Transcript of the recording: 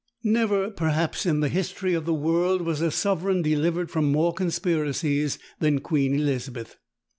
Never, perhaps, in the history of the world was a sovereign delivered from more conspiracies than Queen Elizabeth.